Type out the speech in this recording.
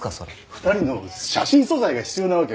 ２人の写真素材が必要なわけよ。